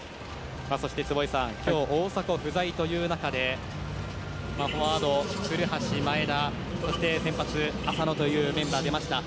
そして、坪井さん今日は大迫が不在という中でフォワード、古橋と前田そして先発の浅野というメンバーが出ました。